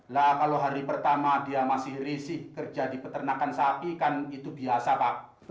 lah kalau hari pertama dia masih risih kerja di peternakan sapi kan itu biasa pak